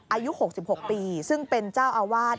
อายุ๖๖ปีซึ่งเป็นเจ้าอาวาส